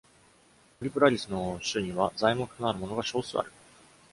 「トリプラリス」の種には材木となるものが少数ある。